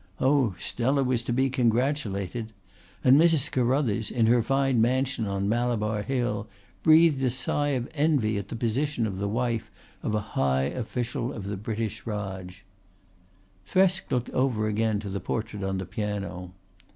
Oh, Stella was to be congratulated! And Mrs. Carruthers, in her fine mansion on Malabar Hill, breathed a sigh of envy at the position of the wife of a high official of the British Raj. Thresk looked over again to the portrait on the piano.